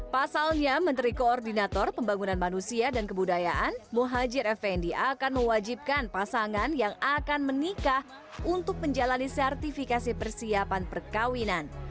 pasalnya menteri koordinator pembangunan manusia dan kebudayaan muhajir effendi akan mewajibkan pasangan yang akan menikah untuk menjalani sertifikasi persiapan perkawinan